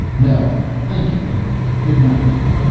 "No, thank you, Mary. Good night."